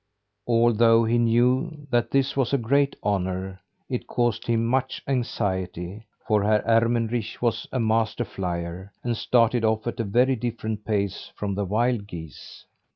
Although he knew that this was a great honour, it caused him much anxiety, for Herr Ermenrich was a master flyer, and started off at a very different pace from the wild geese.